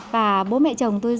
và bố mẹ chồng tôi